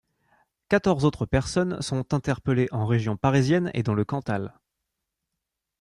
Quatorze autres personnes sont interpellées en région parisienne et dans le Cantal.